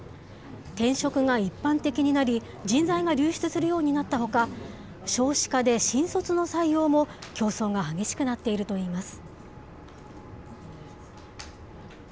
転職が一般的になり、人材が流出するようになったほか、少子化で新卒の採用も競争が激しくなっているといいます。